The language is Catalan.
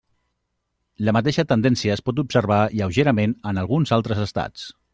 La mateixa tendència es pot observar lleugerament en alguns altres estats.